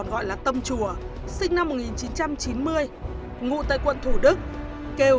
kêu đám đàn em là vương vũ hoàng hay còn gọi là tâm chùa sinh năm một nghìn chín trăm chín mươi ngụ tại quận thủ đức kêu